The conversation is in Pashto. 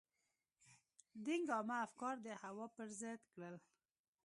دینګ عامه افکار د هوا پر ضد کړل.